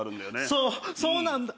そうそうなんだ。